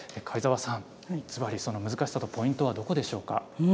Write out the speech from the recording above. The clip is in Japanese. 貝澤さん、ずばりその難しさとポイントはどこでしょうか？